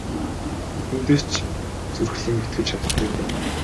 Нүдэндээ ч зүрхлэн итгэж чадахгүй байна.